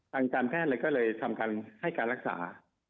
ทางการแพทย์เลยก็เลยทำการให้การรักษา